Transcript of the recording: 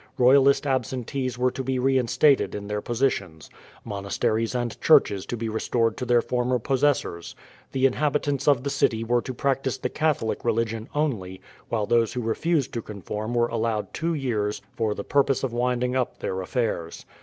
Royalist absentees were to be reinstated in their positions. Monasteries and churches to be restored to their former possessors. The inhabitants of the city were to practice the Catholic religion only, while those who refused to conform were allowed two years for the purpose of winding up their affairs.